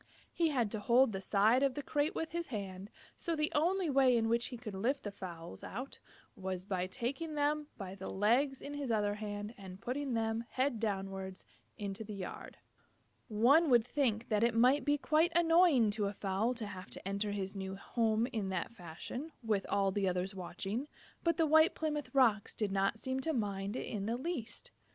He had to hold the side of the crate with his hand, so the only way in which he could lift the fowls out was by taking them by the legs in his other hand and putting them, head downward, into the yard. One would think that it might be quite annoying to a fowl to have to enter his new home in that fashion, with all the others watching, but the White Plymouth Rocks did not seem to mind it in the least.